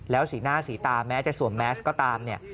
แล้วสีหน้าสีตาแม้จะสวมแม็กซ์ก็ตามเนี่ย